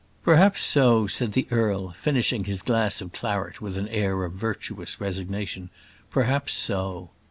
"Perhaps so," said the earl, finishing his glass of claret with an air of virtuous resignation. "Perhaps so."